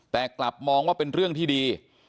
แต่กลับมองว่าเป็นเรื่องที่ดี